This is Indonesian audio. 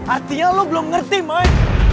artinya lo belum ngerti mas